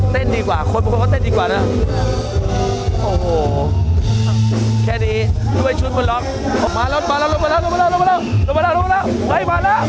เต้นดีกว่าคนบอกว่าเต้นดีกว่านะ